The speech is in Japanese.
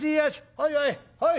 「はいはいはい。